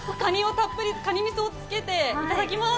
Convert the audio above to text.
たっぷりかにみそをつけていただきます。